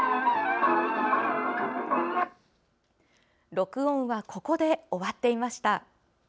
録音はここで終わっていました。